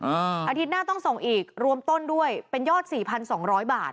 อาทิตย์หน้าต้องส่งอีกรวมต้นด้วยเป็นยอดสี่พันสองร้อยบาท